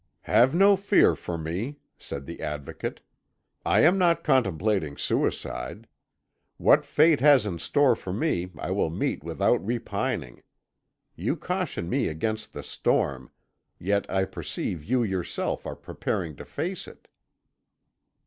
"Have no fear for me," said the Advocate. "I am not contemplating suicide. What fate has in store for me I will meet without repining. You caution me against the storm, yet I perceive you yourself are preparing to face it."